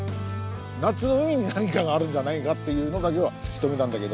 夏の海に何かがあるんじゃないかっていうのだけは突き止めたんだけど。